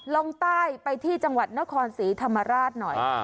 ลงใต้ไปที่จังหวัดนครศรีธรรมราชหน่อย